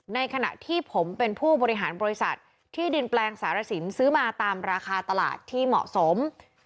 ในขณะที่ผมเป็นผู้บริหารบริษัทที่ดินแปลงสารสินซื้อมาตามราคาตลาดที่เหมาะสม